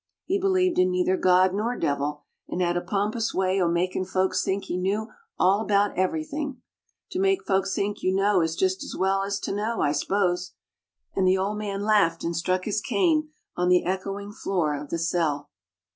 He believed in neither God nor devil and had a pompous way o' makin' folks think he knew all about everything. To make folks think you know is just as well as to know, I s'pose!" and the old man laughed and struck his cane on the echoing floor of the cell.